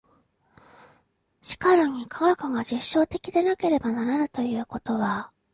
しかるに科学が実証的でなければならぬということは、